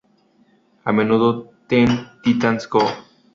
A menudo, Teen Titans Go!